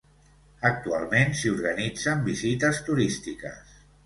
Actualment s'hi organitzen visites turístiques.